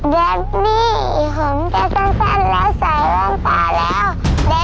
ดาฟนี่ผมจะสั้นแล้วใส่ว่างตาแล้ว